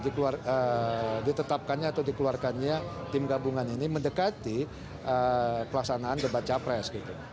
karena ditetapkannya atau dikeluarkannya tim gabungan ini mendekati kelasanaan debat capres